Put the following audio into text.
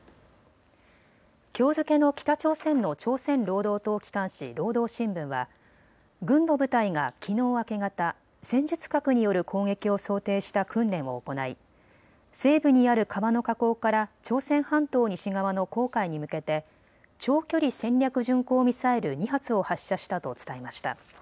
きょう付けの北朝鮮の朝鮮労働党機関紙、労働新聞は軍の部隊がきのう明け方、戦術核による攻撃を想定した訓練を行い西部にある川の河口から朝鮮半島西側の黄海に向けて長距離戦略巡航ミサイル２発を発射したと伝えました。